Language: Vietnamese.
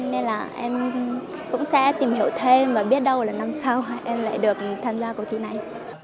nên là em cũng sẽ tìm hiểu thêm và biết đâu là năm sau em lại được tham gia cuộc thi này